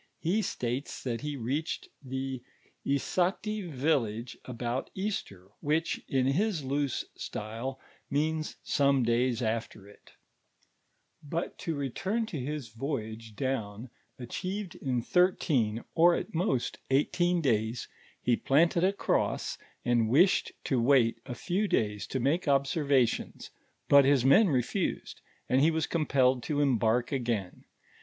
2 12), ho states that he reaehed the Issati village about Faster, which, in his loose style, means some days after it Hut to return to liis voyage down, achieved in thirteen, or at nmst, eighteen days; he planted a cross and wished to wait a few days to make observations, but his men refused, nnd he wns compelled to embark again.